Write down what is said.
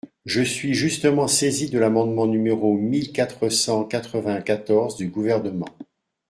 Je suis justement saisie de l’amendement numéro mille quatre cent quatre-vingt-quatorze du Gouvernement.